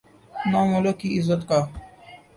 نہ ملک کی عزت کا۔